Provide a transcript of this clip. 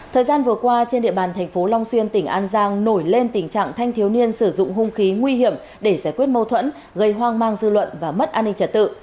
thời gian vừa qua trên địa bàn thành phố long xuyên tỉnh an giang nổi lên tình trạng thanh thiếu niên sử dụng hung khí nguy hiểm để giải quyết mâu thuẫn gây hoang mang dư luận và mất an ninh trật tự